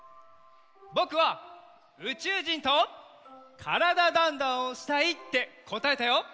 ぼくは「うちゅうじんと『からだ☆ダンダン』をしたい」ってこたえたよ！